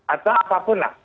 atau apapun lah